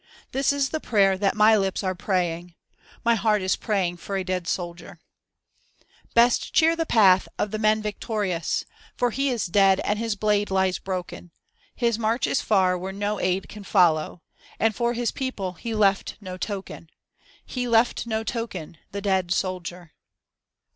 This is the prayer that my lips are praying. My heart is praying for a dead soldier. THE SAD YEARS THE DEAD SOLDIER (Continued) ^^Best cheer the path of the men yictorious. For he is dead and his blade lies broken. His march is far where no aid can follow, And for his people he left no token; He left no token, the dead soldier."